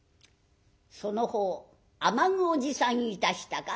「その方雨具を持参いたしたか？」。